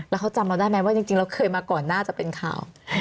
แล้วเขาจำเราได้ไหมว่าจริงเราเคยมาก่อนน่าจะเป็นข่าว